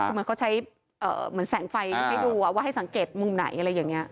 คือเหมือนเขาใช้เหมือนแสงไฟให้ดูว่าให้สังเกตมุมไหนอะไรอย่างนี้